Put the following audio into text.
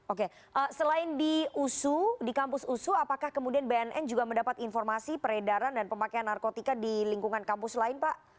oke selain di usu di kampus usu apakah kemudian bnn juga mendapat informasi peredaran dan pemakaian narkotika di lingkungan kampus lain pak